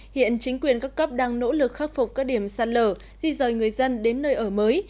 hiện chính quyền các cấp đang nỗ lực khắc phục các điểm sạt lở di rời người dân đến nơi ở mới